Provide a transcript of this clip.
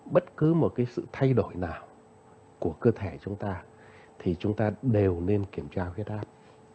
bất cứ một sự thay đổi nào của cơ thể chúng ta thì chúng ta đều nên kiểm tra huyết áp